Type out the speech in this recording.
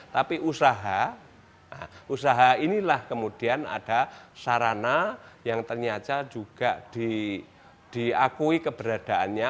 tapi usaha usaha inilah kemudian ada sarana yang ternyata juga diakui keberadaannya